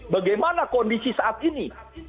bagaimana kondisi saat ini